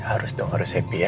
harus dong harus happy ya